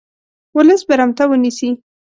ولس برمته ونیسي.